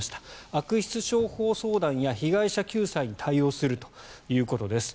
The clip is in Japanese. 悪質商法相談や被害者救済に対応するということです。